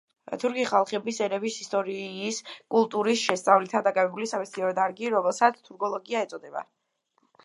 თურქი ხალხების ენების, ისტორიის, კულტურების შესწავლითაა დაკავებული სამეცნიერო დარგი, რომელსაც თურქოლოგია ეწოდება.